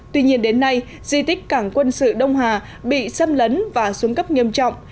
tuy nhiên đến nay di tích cảng quân sự đông hà bị xâm lấn và xuống cấp nghiêm trọng